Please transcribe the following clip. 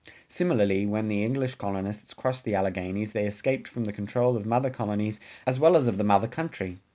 Similarly, when the English colonists crossed the Alleghanies they escaped from the control of mother colonies as well as of the mother country.